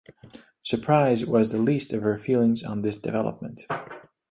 Surprise was the least of her feelings on this development.